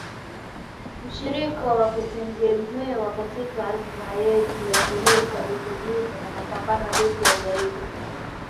“Mshirika wa kutegemewa katika azma yetu ya kuleta utulivu na mapambano dhidi ya ugaidi”.